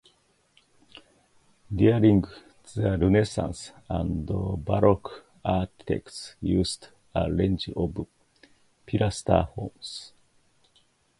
During the Renaissance and Baroque architects used a range of pilaster forms.